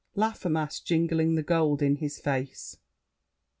LAFFEMAS (jingling the gold in his face).